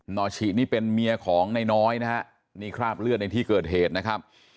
อชินี่เป็นเมียของนายน้อยนะฮะนี่คราบเลือดในที่เกิดเหตุนะครับ